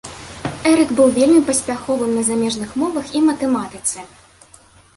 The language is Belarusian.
Эрык быў вельмі паспяховым на замежных мовах і матэматыцы.